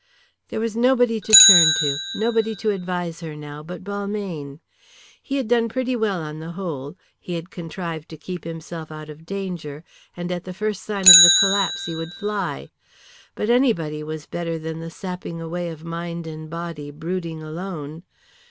There was nobody to turn to, nobody to advise her now, but Balmayne. He had done pretty well on the whole; he had contrived to keep himself out of danger, and at the first sign of the collapse he would fly. But anybody was better than the sapping away of mind and body brooding alone.